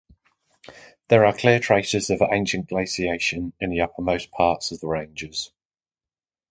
There are clear traces of ancient glaciation in the uppermost parts of the ranges.